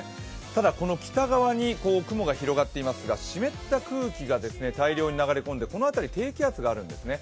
ただ、北側に雲が広がっていますが湿った空気が大量に流れ込んで、このあたり低気圧があるんですね。